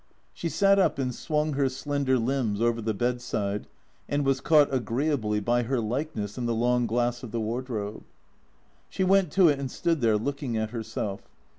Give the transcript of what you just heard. She sat up and swung her slender limbs over the bed side, and was caught, agreeably, by her likeness in the long glass of the wardrobe. She went to it and stood there, looking at herself.